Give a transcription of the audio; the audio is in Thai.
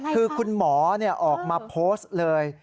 คือคุณหมอออกมาโพสต์เลย